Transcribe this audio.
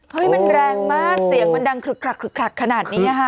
มันแรงมากเสียงมันดังขลุกขนาดนี้นะคะ